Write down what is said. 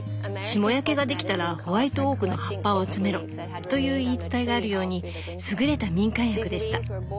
霜焼けができたらホワイトオークの葉っぱを集めろという言い伝えがあるようにすぐれた民間薬でした。